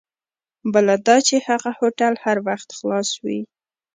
بله دا چې هغه هوټل هر وخت خلاص وي.